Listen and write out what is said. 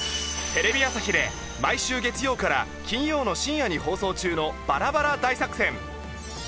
テレビ朝日で毎週月曜から金曜の深夜に放送中のバラバラ大作戦。